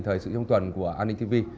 thời sự trong tuần của ani tv